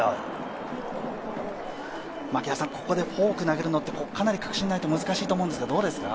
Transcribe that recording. ここでフォーク投げるのってかなり確信ないと難しいと思うんですけど、どうですか？